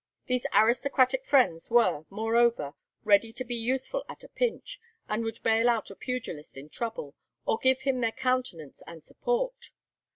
These aristocratic friends were, moreover, ready to be useful at a pinch, and would bail out a pugilist in trouble, or give him their countenance and support.